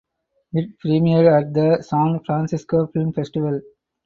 It premiered at the San Francisco Film Festival.